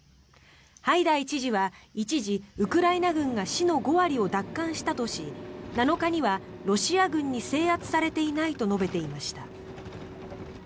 ハイダイ知事は一時、ウクライナ軍が市の５割を奪還したとし７日にはロシア軍に制圧されていないと述べていました。